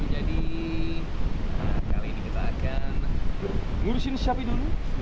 jadi kali kita akan ngurusin siapin dulu